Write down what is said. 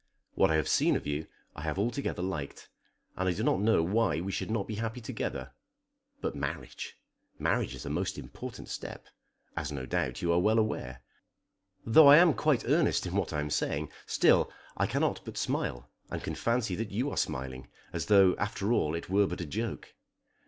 What I have seen of you I have altogether liked, and I do not know why we should not be happy together. But, marriage! marriage is a most important step, as, no doubt, you are well aware. Though I am quite earnest in what I am saying, still I cannot but smile, and can fancy that you are smiling, as though after all it were but a joke.